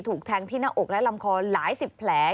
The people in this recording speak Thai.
ถูกแทงที่หน้าอกและลำคอหลายสิบแผล